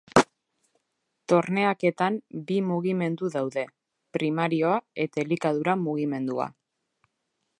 Torneaketan bi mugimendu daude: primarioa eta elikadura-mugimendua.